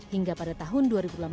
hingga pada tahun dua ribu delapan belas